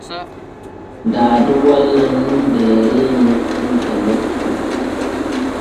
Daado wallan nun deere nokkun e nokkun.